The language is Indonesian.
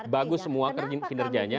bagus semua kinerjanya